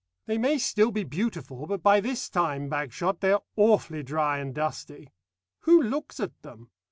They may still be beautiful, but by this time, Bagshot, they are awfully dry and dusty. Who looks at them?